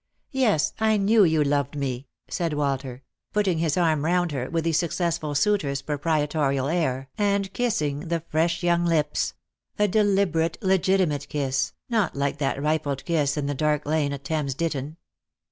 " Yes, I knew you loved me !" said Walter, putting his arm round her with the successful suitor's proprietorial air, and Lost for Love. 155 kissing the fresh young lips — a deliberate legitimate kiss, not like that rifled kiss in the dark lane at Thames Ditton.